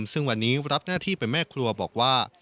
ซึ่งวันนี้รับหน้าที่เป็นแม่ครัวบอกว่า